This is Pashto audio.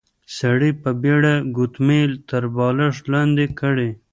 سړي په بيړه ګوتمۍ تر بالښت لاندې کړې.